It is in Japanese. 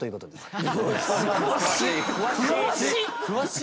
詳しい！